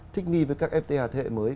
thích nghi với các fta thế hệ mới